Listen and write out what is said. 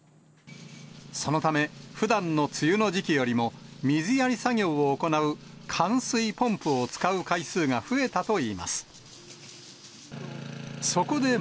そのため、ふだんの梅雨の時期よりも、水やり作業を行うかん水ポンプを使う回数が増えたといいます。